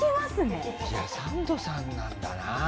サンドさんなんだな。